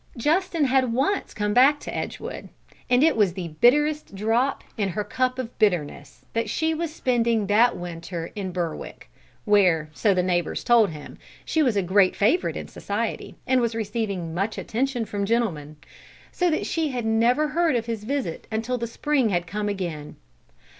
Justin had once come back to Edgewood, and it was the bitterest drop in her cup of bitterness that she was spending that winter in Berwick (where, so the neighbours told him, she was a great favourite in society, and was receiving much attention from gentlemen), so that she had never heard of his visit until the spring had come again.